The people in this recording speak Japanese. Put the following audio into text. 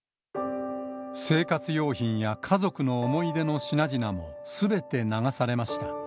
生活用品や家族の思い出の品々もすべて流されました。